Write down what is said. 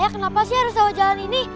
ayah kenapa sih harus lewat jalan ini